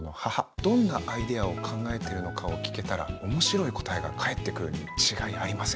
どんなアイデアを考えてるのかを聞けたら面白い答えが返ってくるに違いありません。